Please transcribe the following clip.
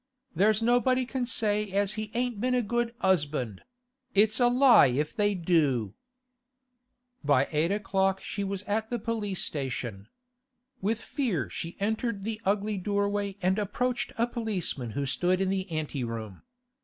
'There's nobody can say as he ain't been a good 'usband; it's a lie if they do.' By eight o'clock she was at the police station. With fear she entered the ugly doorway and approached a policeman who stood in the ante room.